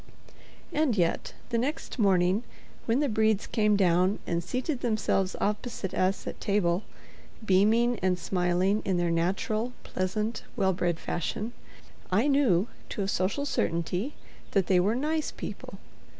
And yet, the next morning, when the Bredes came down and seated themselves opposite us at table, beaming and smiling in their natural, pleasant, well bred fashion, I knew, to a social certainty, that they were "nice" people.